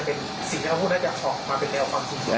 น่าจะพอกมาเป็นแดวความสุข